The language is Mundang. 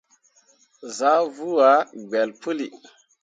Zah vuu ah gbelle puli.